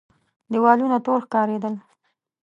دېوالونه تور ښکارېدل.